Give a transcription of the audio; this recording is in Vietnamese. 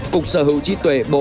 cục sở hữu trí tuệ bộ